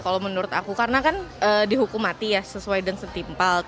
kalau menurut aku karena kan dihukum mati ya sesuai dan setimpal